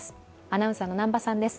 アナウンサーの南波さんです。